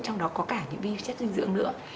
trong đó có cả những vi chất dinh dưỡng nữa